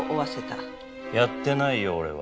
やってないよ俺は。